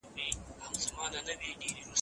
پنځه منفي يو؛ څلور پاته کېږي.